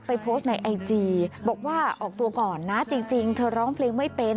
โพสต์ในไอจีบอกว่าออกตัวก่อนนะจริงเธอร้องเพลงไม่เป็น